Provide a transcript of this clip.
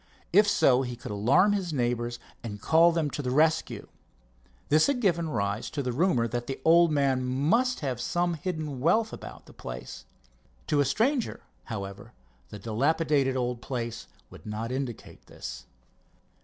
If so, he could alarm his neighbors and call them to the rescue. This had given rise to the rumor that the old man must have some hidden wealth about the place. To a stranger, however, the dilapidated old place would not indicate this.